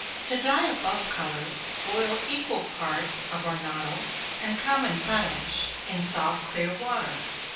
_ To dye a buff color, boil equal parts of arnotto and common potash, in soft clear water.